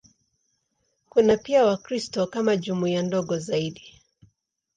Kuna pia Wakristo kama jumuiya ndogo zaidi.